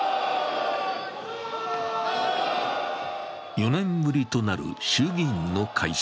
４年ぶりとなる衆議院の解散。